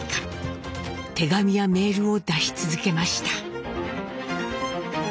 手紙やメールを出し続けました。